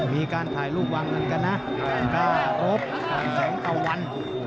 มีการถ่ายลูกวังกันกันนะอาจารย์กราฟพรรณแสงเตาวัน